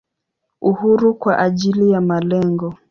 Uhuru kwa ajili ya malengo.